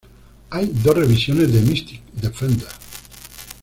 Hay dos revisiones de Mystic Defender.